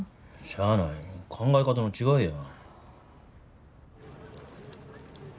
しゃあない考え方の違いや。